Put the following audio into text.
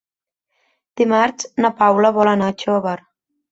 Dimarts na Paula vol anar a Xóvar.